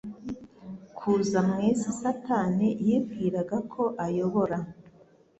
kuza mu isi Satani yibwiraga ko ayobora,